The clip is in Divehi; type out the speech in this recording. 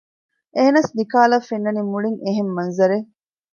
އެހެނަސް ނިކާލަށް ފެންނަނީ މުޅީން އެހެން މަންޒަރެއް